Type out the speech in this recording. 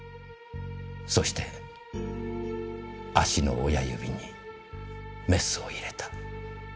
そして足の親指にメスを入れた。